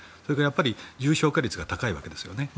それから重症化率が高いわけですね。